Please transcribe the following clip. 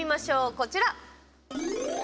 こちら。